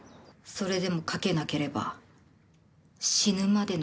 それでも書けなければ死ぬまでの事よ。